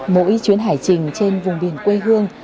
mỗi chuyến hải trình trên vùng biển quê hương